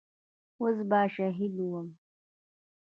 اوس به شهيد وم.